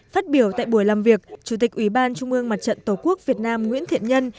phát biểu tại buổi làm việc chủ tịch ủy ban trung ương mặt trận tổ quốc việt nam nguyễn thiện nhân